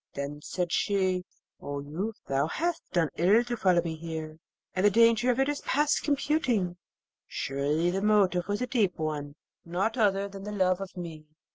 Then said she, 'O youth, thou halt done ill to follow me here, and the danger of it is past computing; surely, the motive was a deep one, nought other than the love of me.'